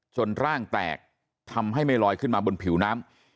ร่างแตกทำให้ไม่ลอยขึ้นมาบนผิวน้ำ